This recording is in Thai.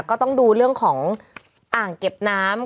ก็ต้องดูเรื่องของอ่างเก็บน้ำ